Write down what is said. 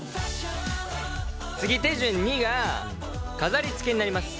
次手順２が飾りつけになります。